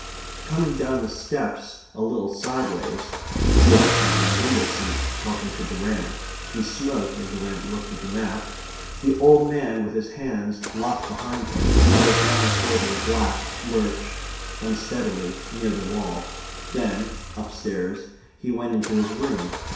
Coming down the steps a little sideways [Jacob sat on the window seat talking to Durrant; he smoked, and Durrant looked at the map], the old man, with his hands locked behind him, his gown floating black, lurched, unsteadily, near the wall; then, upstairs he went into his room.